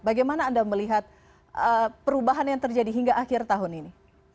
bagaimana anda melihat perubahan yang terjadi hingga akhir tahun ini